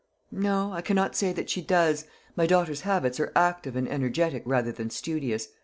"No, I cannot say that she does. My daughter's habits are active and energetic rather than studious.